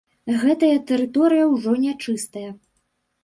Гэтая тэрыторыя ўжо не чыстая.